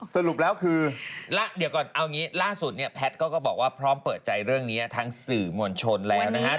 สรุปแล้วคือเดี๋ยวก่อนเอางี้ล่าสุดเนี่ยแพทย์ก็บอกว่าพร้อมเปิดใจเรื่องนี้ทั้งสื่อมวลชนแล้วนะครับ